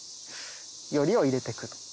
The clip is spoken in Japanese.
撚りを入れてくと。